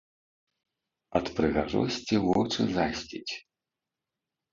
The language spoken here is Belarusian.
Ад прыгажосці вочы засціць!